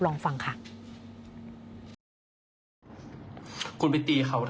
ลองฟังค่ะ